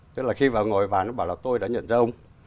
tức là khi vào ngồi bàn nó bảo là tôi đã nhận ra ông